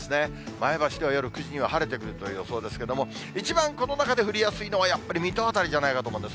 前橋では夜９時には晴れてくるという予想ですけれども、一番、この中で降りやすいのは、やっぱり水戸辺りじゃないかと思うんです。